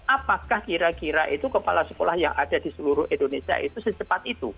apakah kira kira itu kepala sekolah yang ada di seluruh indonesia itu secepat itu